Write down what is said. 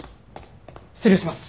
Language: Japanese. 失礼します！